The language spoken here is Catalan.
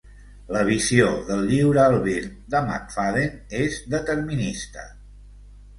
La visió del lliure albir de McFadden és determinista.